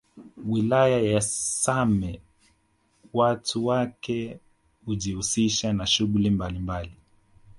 Wilaya ya Same watu wake hujishuhulisha na shughuli mbalimbali